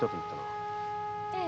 ええ。